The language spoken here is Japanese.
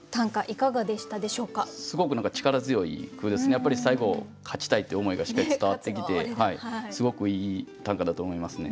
やっぱり最後勝ちたいって思いがしっかり伝わってきてすごくいい短歌だと思いますね。